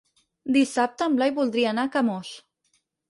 Dissabte en Blai voldria anar a Camós.